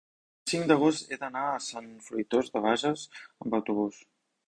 el cinc d'agost he d'anar a Sant Fruitós de Bages amb autobús.